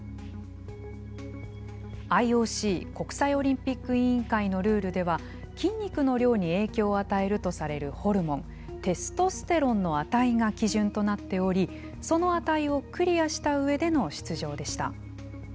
ＩＯＣ＝国際オリンピック委員会のルールでは筋肉の量に影響を与えるとされるホルモンテストステロンの値が基準となっておりその値をクリアした上での出場でした。